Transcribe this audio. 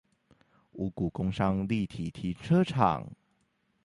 五股工商立體停車場